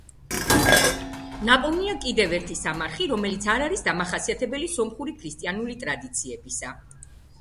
ნაპოვნია კიდევ ერთი სამარხი, რომელიც არ არის დამახასიათებელი სომხური ქრისტიანული ტრადიციებისა.